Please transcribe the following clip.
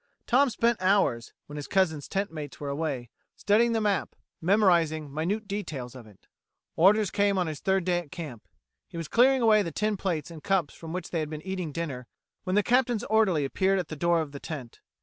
Tom spent hours, when his cousin's tentmates were away, studying the map, memorizing minute details of it. Orders came on his third day at camp. He was clearing away the tin plates and cups from which they had been eating dinner, when the Captain's orderly appeared at the door of the tent.